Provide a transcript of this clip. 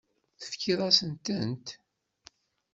Tefkiḍ-asent-tent?